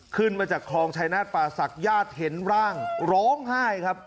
ขึ้นมาจากคลองชายนาฏป่าศักดิ์ญาติเห็นร่างร้องไห้ครับ